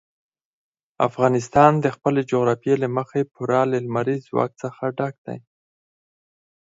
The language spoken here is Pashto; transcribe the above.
افغانستان د خپلې جغرافیې له مخې پوره له لمریز ځواک څخه ډک دی.